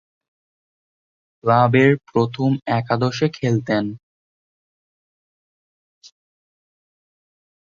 ক্লাবের প্রথম একাদশে খেলতেন।